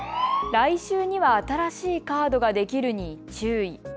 来週には新しいカードができるに注意。